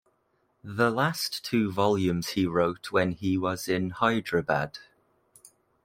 The last two volumes he wrote when he was in Hyderabad.